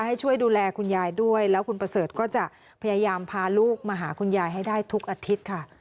ให้ช่วยดูแลคุณยายด้วยแล้วคุณประเสริฐก็จะพยายามพาลูกมาหาคุณยายให้ได้ทุกอาทิตย์ค่ะ